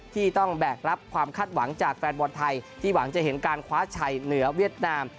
ที่ต้องแบกรับความคาดหวังจากแฟนบอลไทยที่หวังจะเห็นการคว้าชัยเหนือเวียดนาม